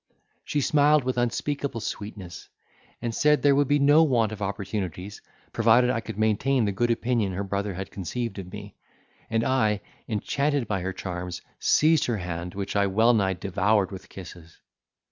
She smiled with unspeakable sweetness, and said there would be no want of opportunities, provided I could maintain the good opinion her brother had conceived of me, and I, enchanted by her charms, seized her hand, which I well nigh devoured with kisses.